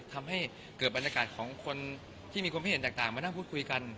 ทำให้เกิดบรรยากาศของคนที่มีความคิดเห็นต่างมานั่งพูดคุยกัน